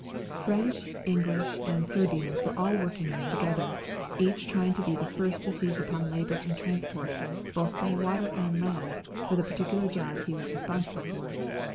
French, English, and Serbians were all working there together, each trying to be the first to seize upon labour and transport both by water and land for P2 216 WE GO TO CORFU the particular job he was responsible for.